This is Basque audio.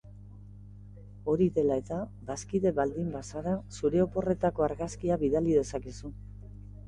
Hori dela eta, bazkide baldin bazara, zure oporretako argazkia bidali dezakezu.